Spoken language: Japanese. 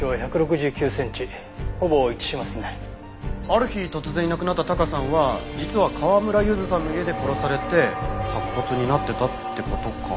ある日突然いなくなったタカさんは実は川村ゆずさんの家で殺されて白骨になってたって事か。